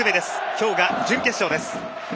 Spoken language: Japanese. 今日が準決勝です。